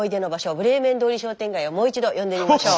ブレーメン通り商店街をもう一度呼んでみましょう。